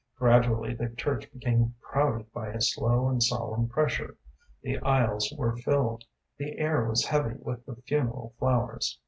Gradually the church became crowded by a slow and solemn pressure. The aisles were filled. The air was heavy with the funeral flowers.